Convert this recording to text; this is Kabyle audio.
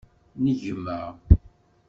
N gma.